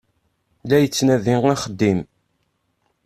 La yettnadi axeddim.